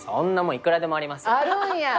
あるんや！